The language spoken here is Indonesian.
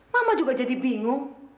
mama juga jadi bingung